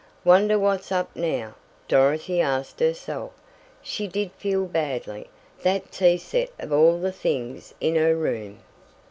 "Wonder what's up now?" Dorothy asked herself. She did feel badly that tea set of all the things in her room!